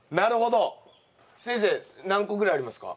先生何個ぐらいありますか？